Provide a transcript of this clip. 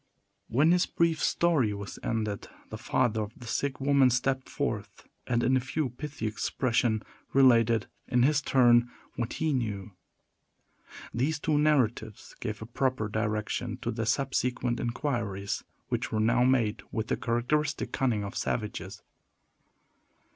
When his brief story was ended, the father of the sick woman stepped forth, and, in a few pithy expression, related, in his turn, what he knew. These two narratives gave a proper direction to the subsequent inquiries, which were now made with the characteristic cunning of savages.